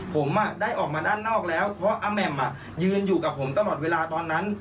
ผมได้ออกมาด้านนอกแล้วเพราะอาแหม่มยืนอยู่กับผมตลอดเวลาตอนนั้น